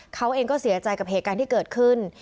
เขาเองก็เสียใจกับเหตุการณ์ที่เกิดขึ้น